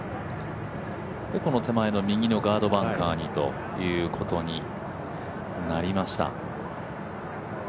手前の右のガードバンカーにということになりました。